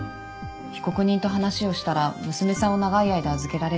被告人と話をしたら娘さんを長い間預けられる当てもないって。